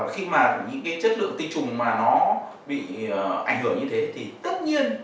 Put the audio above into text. khi mà những cái chất lượng tinh trùng mà nó bị ảnh hưởng như thế thì tất nhiên